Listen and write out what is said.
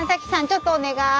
ちょっとお願い。